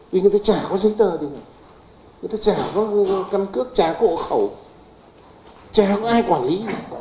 vì người ta chả có giấy tờ gì người ta chả có căn cước chả có hộ khẩu chả có ai quản lý